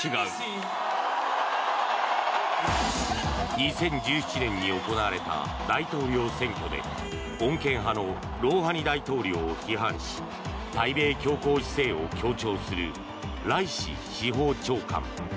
２０１７年に行われた大統領選挙で穏健派のロウハニ大統領を批判し対米強硬姿勢を強調するライシ司法長官。